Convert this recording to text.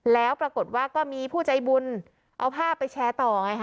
แล้วปรากฏว่าก็มีผู้ใจบุญเอาภาพไปแชร์ต่อไงค่ะ